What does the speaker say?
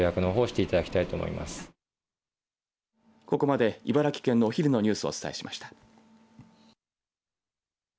ここまで茨城県のお昼のニュースをお伝えしました。